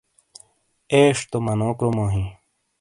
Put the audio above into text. ایش تو منو کرومو ہِیں۔